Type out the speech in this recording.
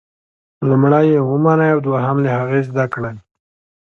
لومړی یې ومنئ او دوهم له هغې زده کړئ.